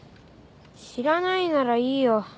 知らないならいいよ。